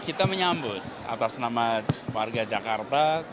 kita menyambut atas nama warga jakarta